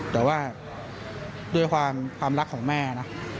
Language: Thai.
แต่ว่าด้วยความรักของแม่นะ